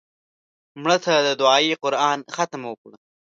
مړه ته د دعایي قرآن ختم وکړه